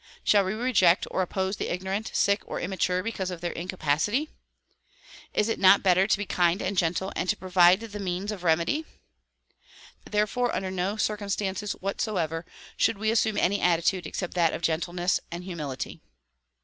Shall we reject or oppose the ignorant, sick or immature because of their incapacity? Is it not better to be kind and gentle and to provide the means 124 THE PROMULGATION OF UNIVERSAL PEACE of remedy? Therefore under no circumstances whatsoever should we assume any attitude except that of gentleness and humility.